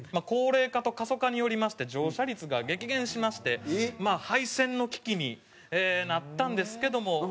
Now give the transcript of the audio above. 高齢化と過疎化によりまして乗車率が激減しまして廃線の危機になったんですけども。